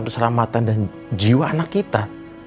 keselamatan dan jiwa anak kita